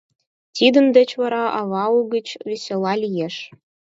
Тидын деч вара ава угыч весела лиеш.